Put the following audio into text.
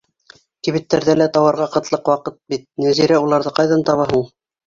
Кибеттәрҙә лә тауарға ҡытлыҡ ваҡыт бит, Нәзирә уларҙы ҡайҙан таба һуң?